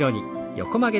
横曲げ。